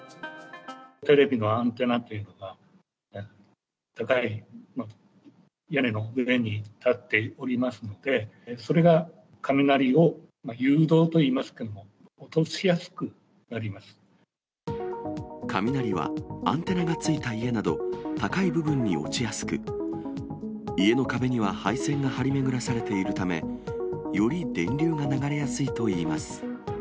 テレビのアンテナとか、高い屋根の上に立っておりますので、それが雷を誘導といいますか、雷はアンテナがついた家など、高い部分に落ちやすく、家の壁には配線が張り巡らされているため、より電流が流れやすいといいます。